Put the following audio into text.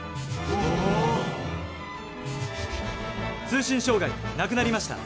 通信障害なくなりました。